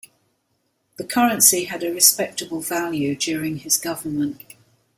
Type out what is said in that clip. The currency had a respectable value during his government.